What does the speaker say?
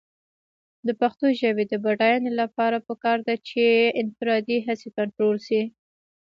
د پښتو ژبې د بډاینې لپاره پکار ده چې انفرادي هڅې کنټرول شي.